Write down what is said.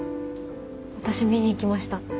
私見に行きました。